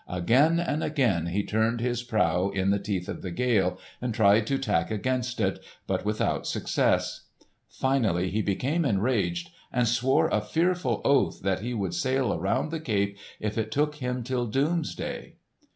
Again and again he turned his prow in the teeth of the gale, and tried to tack against it, but without success. Finally he became enraged and swore a fearful oath that he would sail around the Cape if it took him till doomsday.